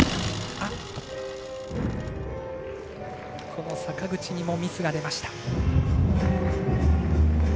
この坂口にもミスが出ました。